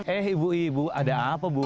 eh ibu ibu ada apa bu